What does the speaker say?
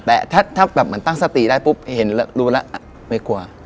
แต่ถ้าแบบเหมือนตั้งสติได้ปุ๊บเห็นรู้แล้วไม่กลัว